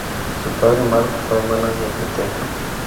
Su padre, Mark, fue mánager de teatro.